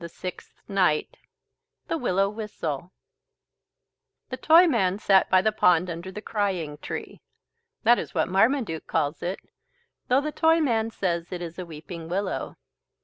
SIXTH NIGHT THE WILLOW WHISTLE The Toyman sat by the pond under the "Crying Tree." That is what Marmaduke calls it, though the Toyman says it is a weeping willow.